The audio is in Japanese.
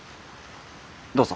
どうぞ。